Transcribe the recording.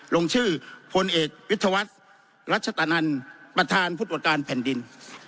ลงชื่อพลเอกวิทยาวัฒน์รัชตะนันประธานผู้ตรวจการแผ่นดิน